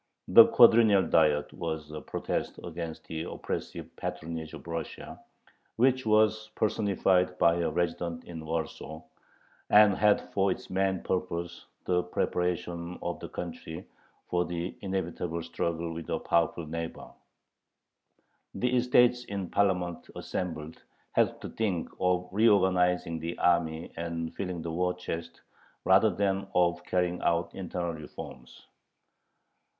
The Quadrennial Diet was a protest against the oppressive patronage of Russia, which was personified by her Resident in Warsaw, and had for its main purpose the preparation of the country for the inevitable struggle with her powerful neighbor. The "estates in Parliament assembled" had to think of reorganizing the army and filling the war chest rather than of carrying out internal reforms.